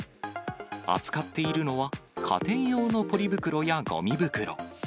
扱っているのは、家庭用のポリ袋やごみ袋。